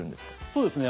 そうですね